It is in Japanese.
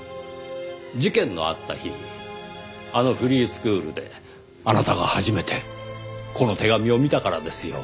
事件のあった日あのフリースクールであなたが初めてこの手紙を見たからですよ。